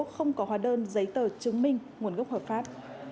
không có hóa đơn giấy tờ chứng minh nguồn gốc hợp pháp